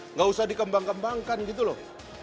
nggak usah dikembang kembangkan gitu loh